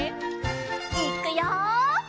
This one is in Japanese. いっくよ。